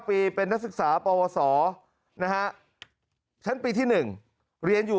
ปีเป็นนักศึกษาปวสนะฮะชั้นปีที่๑เรียนอยู่